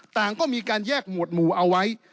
ต่างก็มีการแยกหมวดหมู่เอาไว้